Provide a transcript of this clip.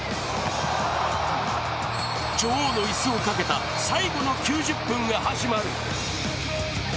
女王の椅子をかけた最後の９０分が始まる！